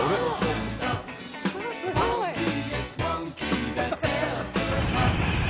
すごい。